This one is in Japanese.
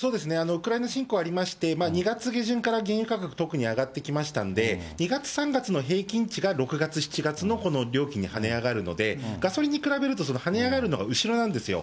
ウクライナ侵攻ありまして、２月下旬から原油価格、特に上がってきましたんで、２月、３月の平均値が、６月、７月のこの料金にはね上がるので、ガソリンに比べると、はね上がるのが後ろなんですよ。